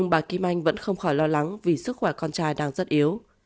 bà kim anh vẫn không khỏi lo lắng vì sức khỏe con trai đang rất yếu